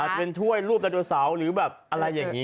เป็นถ้วยรูปไดโนเสาร์หรือแบบอะไรอย่างนี้